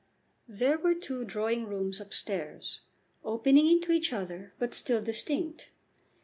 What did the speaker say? There were two drawing rooms up stairs, opening into each other, but still distinct.